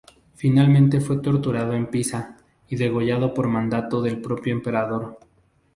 Finalmente fue torturado en Pisa y degollado por mandato del propio emperador.